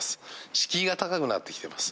敷居が高くなってきてます。